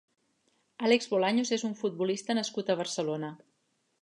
Álex Bolaños és un futbolista nascut a Barcelona.